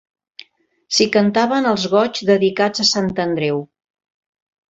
S'hi cantaven els goigs dedicats a Sant Andreu.